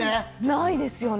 ないですよね。